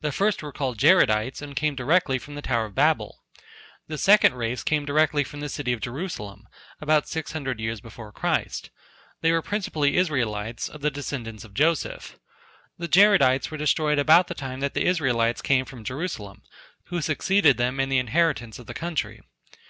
The first were called Jaredites and came directly from the Tower of Babel. The second race came directly from the city of Jerusalem, about six hundred years before Christ. They were principally Israelites, of the descendants of Joseph. The Jaredites were destroyed about the time that the Israelites came from Jerusalem, who succeeded them in the inheritance of the country.